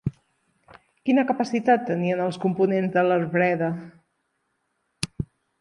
Quina capacitat tenien els components de l'arbreda?